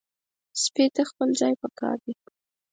سپي ته خپل ځای پکار دی.